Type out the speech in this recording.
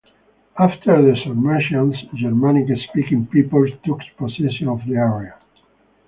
After the Sarmatians, Germanic-speaking peoples took possession of the area.